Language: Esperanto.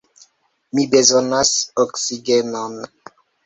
Mi bezonas oksigenon.